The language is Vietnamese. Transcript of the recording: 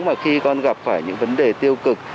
mà khi con gặp phải những vấn đề tiêu cực